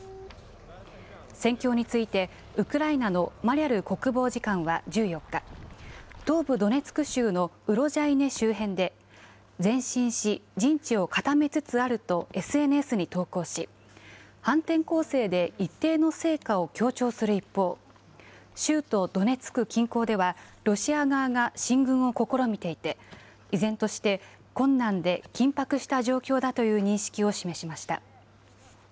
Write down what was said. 戦況についてウクライナのマリャル国防次官は１４日、東部ドネツク州のウロジャイネ周辺で、前進し、陣地を固めつつあるとＳＮＳに投稿し、反転攻勢で一定の成果を強調する一方、州都ドネツク近郊では、ロシア側が進軍を試みていて、依然として困難で緊迫した状況だという認識を示しました。